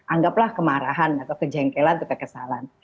anggaplah kemarahan atau kejengkelan atau kekesalan